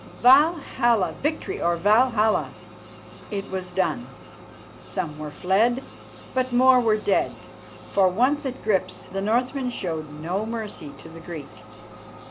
Valhalla! Victory or Valhalla!_" It was done. Some were fled, but more were dead, for, once at grips, the Northman showed no mercy to the Greek.